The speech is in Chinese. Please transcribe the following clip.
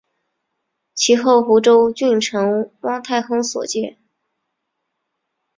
其后湖州郡丞汪泰亨所建。